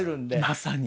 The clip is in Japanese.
まさに。